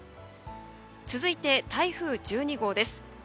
続いて、台風１２号です。